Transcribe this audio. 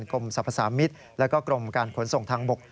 กรมสรรพสามิตรแล้วก็กรมการขนส่งทางบก